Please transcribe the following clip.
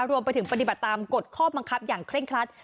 รวมไปถึงปฏิบัติตามกฎข้อบังคับอย่างเคร่งครัด